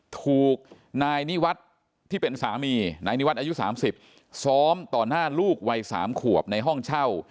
ถูกนายนิวัฒน์ที่เป็นสามีนายนิวัตรอายุ๓๐ซ้อมต่อหน้าลูกวัย๓ขวบในห้องเช่า